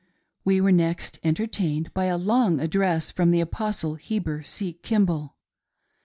We were next entertained by a long address from the Apostle Heber C. Kimball.